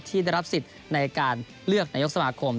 ที่ได้รับสิทธิ์ในการเลือกนายกสมาคม